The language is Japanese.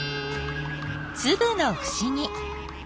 つぶのふしぎ。